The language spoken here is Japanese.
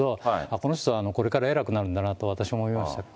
この人はこれから偉くなるんだなとそのとき、私思いましたけど。